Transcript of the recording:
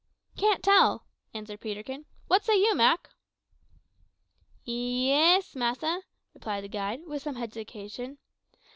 "Can't tell," answered Peterkin. "What say you, Mak?" "Ye is, massa," replied the guide, with some hesitation.